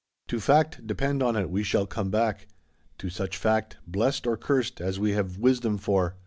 To fact, depend on it, we shall come back: to such fact, blessed or cursed, as we have wisdom for.